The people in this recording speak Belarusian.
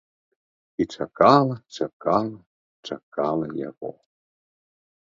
І чакала, чакала, чакала яго.